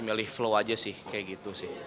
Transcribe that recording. milih flow aja sih kayak gitu sih